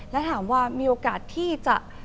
และถามว่ามีโอกาสที่จะ